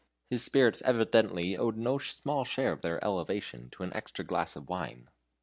His spirits evidently owed no small share of their elevation to an extra glass of wine.